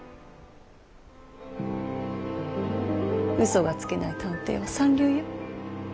うそがつけない探偵は三流よ。